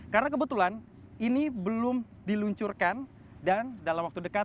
karena kebetulan ini belum diluncurkan dan dalam waktu dekat